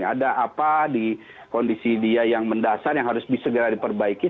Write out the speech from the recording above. ada apa di kondisi dia yang mendasar yang harus disegera diperbaiki